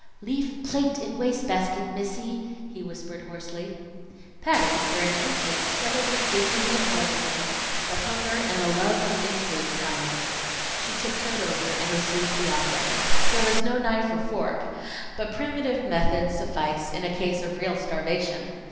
"Leave plate in wastebasket, Missy," he whispered hoarsely. Patty, for an instant, struggled with dignity and martyrdom, but hunger and a love of intrigue triumphed. She tiptoed over and received the offering. There was no knife or fork, but primitive methods suffice in a case of real starvation.